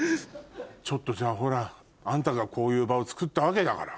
ちょっとじゃあほらあんたがこういう場をつくったわけだから。